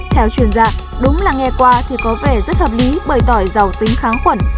theo chuyên gia đúng là nghe qua thì có vẻ rất hợp lý bởi tỏi giàu tính kháng khuẩn